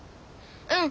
うん。